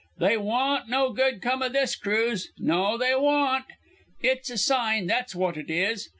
They waon't no good come o' this cruise no, they waon't. It's a sign, that's wot it is.